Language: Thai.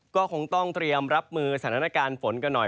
ก็คงต้องเตรียมรับมือสถานการณ์ฝนกันหน่อย